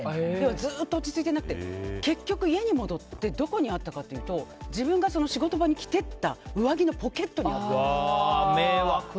ずっと落ち着いてなくて結局家に戻ってどこにあったのかというと自分が仕事場に着ていった上着のポケットにあった。